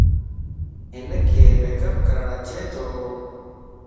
ھنک ميڪ اب ڪرڻ اچي تو